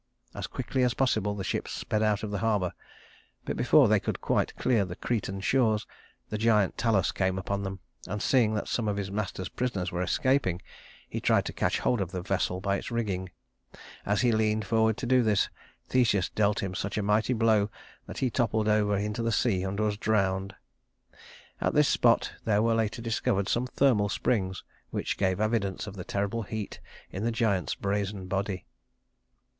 As quickly as possible the ship sped out of the harbor; but before they could quite clear the Cretan shores, the giant Talus came upon them, and, seeing that some of his master's prisoners were escaping, he tried to catch hold of the vessel by its rigging. As he leaned forward to do this, Theseus dealt him such a mighty blow that he toppled over into the sea and was drowned. At this spot there were later discovered some thermal springs, which gave evidence of the terrible heat in the giant's brazen body.